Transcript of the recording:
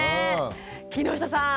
木下さん